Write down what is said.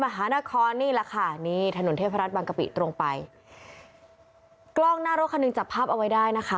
มหานครนี่แหละค่ะนี่ถนนเทพรัฐบางกะปิตรงไปกล้องหน้ารถคันหนึ่งจับภาพเอาไว้ได้นะคะ